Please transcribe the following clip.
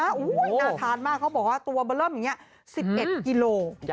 น่าทานมากเขาบอกว่าตัวเบอร์เริ่มอย่างนี้๑๑กิโล